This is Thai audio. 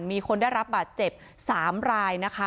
มีคนได้รับบาดเจ็บ๓รายนะคะ